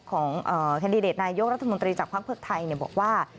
ของแคนดิเดตนายกรัฐมนตรีจากพักเพิกไทยบอกว่า